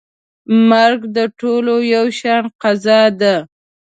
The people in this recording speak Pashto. مرګ د ټولو یو شان قضا ده.